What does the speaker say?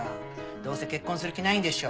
どうせ結婚する気ないんでしょ。